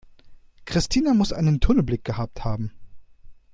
Christina muss einen Tunnelblick gehabt haben.